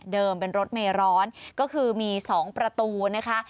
เป็นรถเมร้อนก็คือมี๒ประตูนะคะ